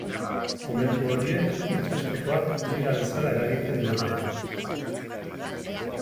Momentu horiek itsaspekoak bira dezala eragiten dute.